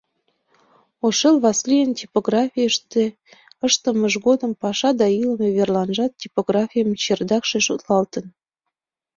Ошэл Васлийын типографийыште ыштымыж годым паша да илыме верланжат типографийын чердакше шотлалтын.